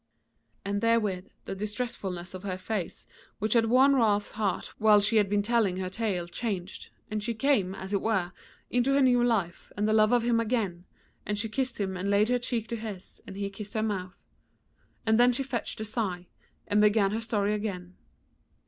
And therewith the distressfulness of her face which had worn Ralph's heart while she had been telling her tale changed, and she came, as it were, into her new life and the love of him again, and she kissed him and laid her cheek to his and he kissed her mouth. And then she fetched a sigh, and began with her story again.